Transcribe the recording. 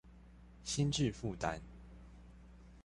心智負擔